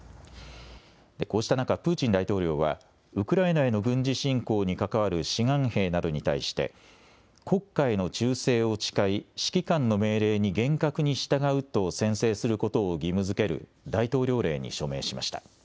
こうした中、プーチン大統領は、ウクライナへの軍事侵攻に関わる志願兵などに対して、国家への忠誠を誓い、指揮官の命令に厳格に従うと宣誓することを義務づける大統領令に署名しました。